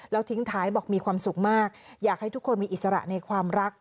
แล้วทิ้งท้ายบอกมีความสุขมากอยากให้ทุกคนมีอิสระในความรัก